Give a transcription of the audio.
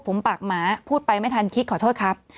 ผมปากหมาพูดไปไม่ทันคิดขอโทษครับ